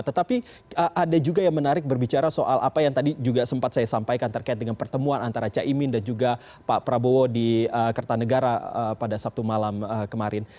tetapi ada juga yang menarik berbicara soal apa yang tadi juga sempat saya sampaikan terkait dengan pertemuan antara caimin dan juga pak prabowo di kertanegara pada sabtu malam kemarin